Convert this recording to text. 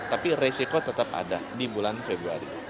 tapi resiko tetap ada di bulan februari